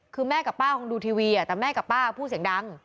คือแม่กับป้าคงดูทีวีแต่แม่กับป้าพูดเสียงดัง